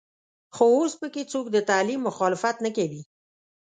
خو اوس په کې څوک د تعلیم مخالفت نه کوي.